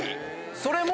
それも